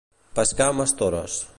Pescar amb estores.